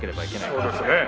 そうですね。